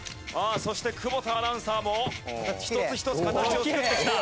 そして久保田アナウンサーも一つ一つ形を作ってきた。